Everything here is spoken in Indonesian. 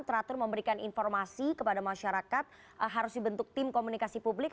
teratur memberikan informasi kepada masyarakat harus dibentuk tim komunikasi publik